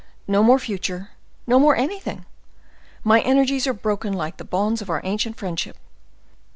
no more future! no more anything! My energies are broken like the bonds of our ancient friendship.